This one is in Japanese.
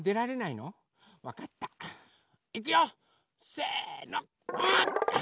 いくよせのうっ！